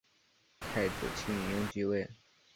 太子庆膺继位。